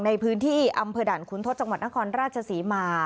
ในพื้นที่อำเภอด่านคุณทศจังหวัดนครราชศรีมา